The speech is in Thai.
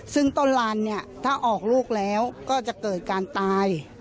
ซึ่งต้นลานเนี่ยถ้าออกลูกแล้วก็จะเกิดการตาย